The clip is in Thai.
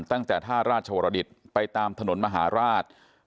ตั้งแต่ท่าราชวรดิตไปตามถนนมหาราช